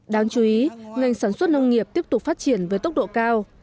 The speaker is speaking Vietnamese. đáng chú ý ngành sản xuất nông nghiệp tiếp tục phát triển với tốc độ cao